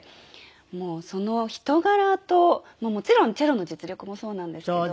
もうその人柄ともちろんチェロの実力もそうなんですけど。